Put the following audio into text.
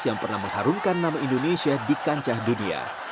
yang pernah mengharumkan nama indonesia di kancah dunia